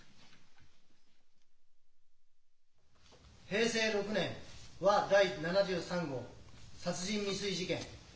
「平成６年わ第７３号殺人未遂事件」。